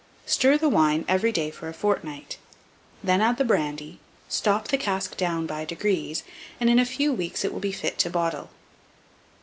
Stir the wine every day for a fortnight; then add the brandy, stop the cask down by degrees, and in a few weeks it will be fit to bottle.